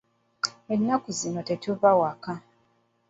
Ennaku zino tetuva waka.